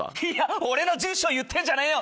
俺の住所言ってんじゃねえよ！